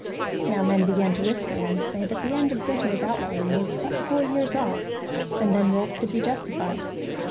Now men began to whisper and say that the end of Grettir's outlawry was but four years off, and then Rolf could be justified.